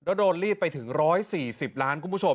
แล้วโดนรีบไปถึง๑๔๐ล้านคุณผู้ชม